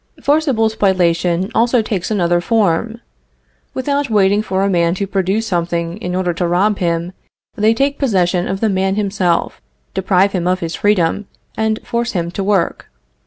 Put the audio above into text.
Forcible spoliation also takes another form. Without waiting for a man to produce something in order to rob him, they take possession of the man himself, deprive him of his freedom, and force him to work.